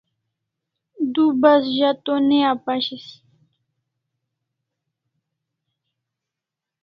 Du bas za to ne apashis